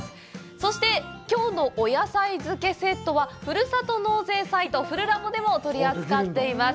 そして、京のお野菜漬けセットは、ふるさと納税サイト「ふるラボ」でも取り扱っています。